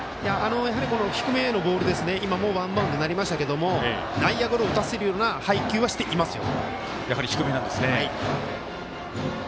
やはり低めへのボールワンバウンドなりましたけど内野ゴロを打たせるような配球はしていますよ。